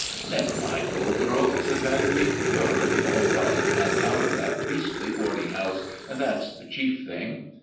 "Never mind, old girl," said Batterby. "You're living all right, and out of that beastly boarding house, and that's the chief thing.